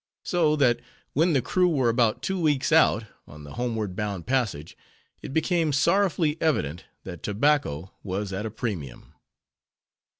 So that when the crew were about two weeks out, on the homeward bound passage, it became sorrowfully evident that tobacco was at a premium.